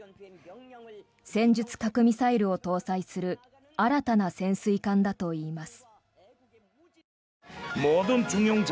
戦術核核ミサイルを搭載する新たな潜水艦だといいます。